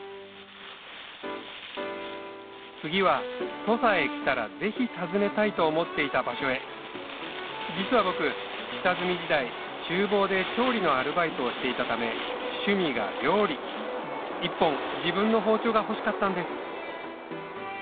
次は土佐へ来たらぜひ訪ねたいと思っていた場所へ実は僕下積み時代厨房で調理のアルバイトをしていたため趣味が料理１本自分の包丁が欲しかったんです